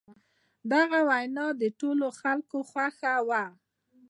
د هغه وینا د ټولو خلکو خوښه وه.